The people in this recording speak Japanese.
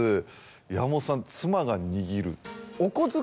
山本さん妻が握る？